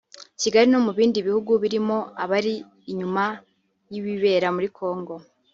Kigali no mu bindi bihugu birimo abari inyuma y’ibibera muri Congo